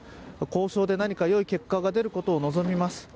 交渉で何かよい結果が出ることを望みます。